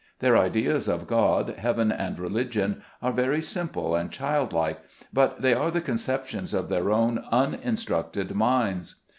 Their ideas of God, heaven and religion, are very simple and childlike ; but they are the conceptions of their own uninstructed minds.